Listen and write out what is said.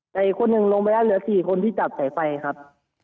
แต่อีกคนหนึ่งลงไปแล้วเหลือ๔คนที่จับสายไฟครับ